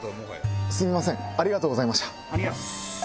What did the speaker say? すみませんありがとうございました。